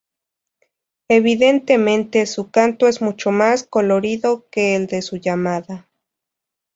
Evidentemente su canto es mucho más colorido que el de su llamada.